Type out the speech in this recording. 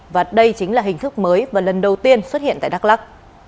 và đây chính là hình thức mới và lần đầu tiên xuất hiện tại đắk lắc